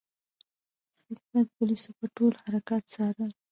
خفیه پولیسو مې ټول حرکات څارل.